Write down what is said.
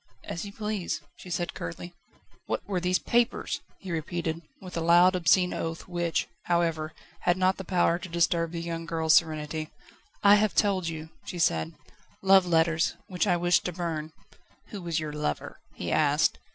"As you please," she said curtly. "What were these papers?" he repeated, with a loud obscene oath which, however, had not the power to disturb the young girl's serenity. "I have told you," she said: "love letters, which I wished to burn." "Who was your lover?" he asked.